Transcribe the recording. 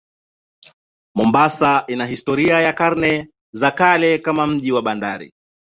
Mombasa ina historia ya karne za kale kama mji wa bandari.